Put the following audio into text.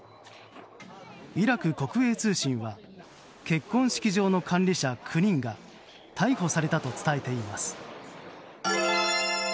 イラク国営通信は結婚式場の管理者９人が逮捕されたと伝えています。